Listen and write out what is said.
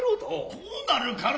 斯うなるからは。